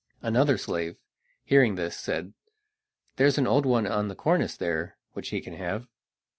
Another slave, hearing this, said: "There is an old one on the cornice there which he can have."